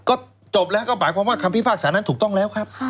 ก็จบแล้วก็หมายความว่าคำพิพากษานั้นถูกต้องแล้วครับ